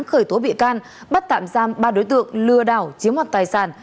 khởi tố bị can bắt tạm giam ba đối tượng lừa đảo chiếm hoạt tài sản